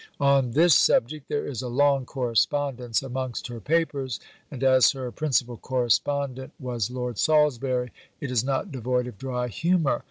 On this subject there is a long correspondence amongst her Papers; and as her principal correspondent was Lord Salisbury, it is not devoid of dry humour.